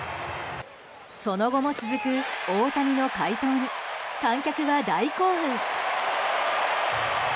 その後も続く大谷の快投に観客は大興奮。